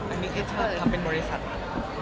อันนี้เธอทำเป็นบริษัทหรือ